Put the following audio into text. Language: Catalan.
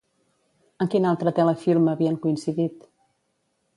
En quin altre telefilm havien coincidit?